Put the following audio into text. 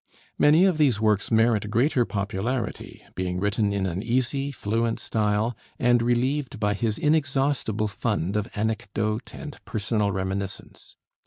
Many of these works merit greater popularity, being written in an easy, fluent style, and relieved by his inexhaustible fund of anecdote and personal reminiscence.